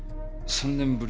３年ぶり！